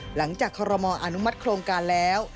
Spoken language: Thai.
คอรมออนุมัติโครงการแล้ว